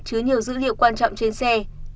chứa nhiều dữ liệu quan trọng trên xe